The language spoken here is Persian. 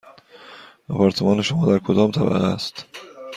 آپارتمان شما در کدام طبقه است؟